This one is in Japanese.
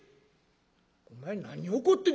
「お前何怒って」。